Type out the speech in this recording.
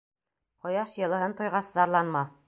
— Ҡояш йылыһын тойғас, зарланма.